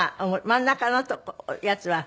真ん中のやつは？